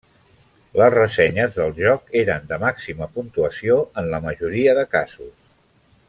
Les ressenyes del joc eren de màxima puntuació en la majoria de casos.